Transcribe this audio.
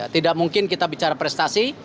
tidak mungkin kita bicara prestasi